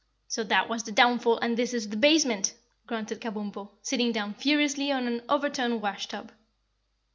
"So that was the downfall, and this is debasement," grunted Kabumpo, sitting down furiously on an overturned wash tub.